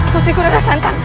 putriku ada santan